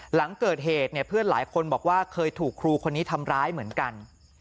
หลังเกิดเหตุเนี่ยเพื่อนหลายคนบอกว่าเคยถูกครูคนนี้ทำร้ายเหมือนกัน